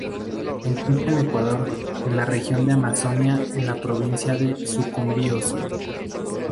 Se encuentra en Ecuador en la región de Amazonia en la Provincia de Sucumbíos.